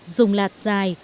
dùng lạt dài